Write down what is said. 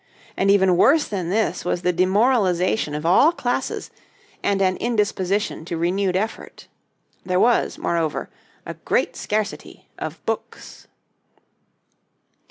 And even worse than this was the demoralization of all classes, and an indisposition to renewed effort. There was, moreover, a great scarcity of books.